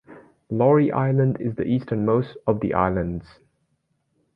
Laurie Island is the easternmost of the islands.